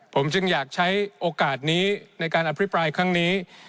ผมจึงอยากใช้โอกาสนี้ในการอภิปรายครั้งนี้